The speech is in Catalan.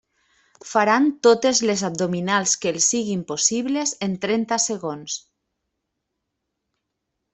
Faran totes les abdominals que els siguin possibles en trenta segons.